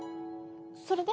それで？